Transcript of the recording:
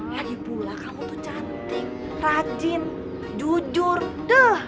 lagipula kamu tuh cantik rajin jujur duh